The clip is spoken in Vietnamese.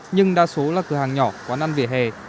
nhưng đa số là cửa hàng nhỏ quán ăn vỉa hè